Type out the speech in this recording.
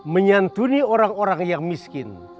menyantuni orang orang yang miskin